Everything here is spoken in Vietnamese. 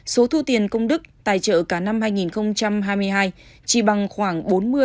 số thu tiền công đức tài trợ cả năm hai nghìn hai mươi hai chỉ bằng khoảng bốn mươi